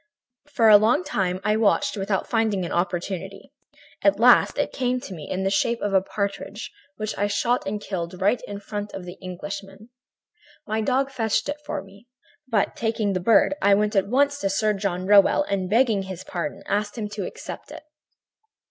"For a long time I watched without finding an opportunity. At last it came to me in the shape of a partridge which I shot and killed right in front of the Englishman. My dog fetched it for me, but, taking the bird, I went at once to Sir John Rowell and, begging his pardon, asked him to accept it.